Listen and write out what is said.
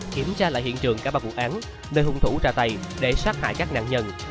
kiểm tra lại hiện trường cả ba vụ án nơi hung thủ ra tay để sát hại các nạn nhân